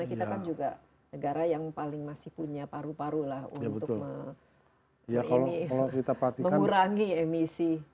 kita kan juga negara yang paling masih punya paru paru lah untuk mengurangi emisi